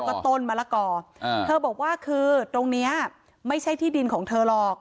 ก็ต้นมะละกอเธอบอกว่าคือตรงเนี้ยไม่ใช่ที่ดินของเธอหรอก